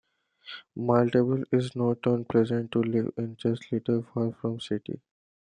Maltepe is not unpleasant to live in, just a little far from the city.